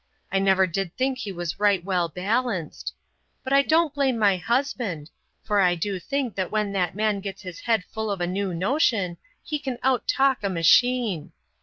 I never did think he was right well balanced. But I don't blame my husband, for I do think that when that man gets his head full of a new notion, he can out talk a machine.